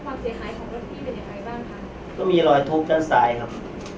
ความเสียหายของรถพี่เป็นยังไงบ้างคะก็มีรอยทุบด้านซ้ายครับ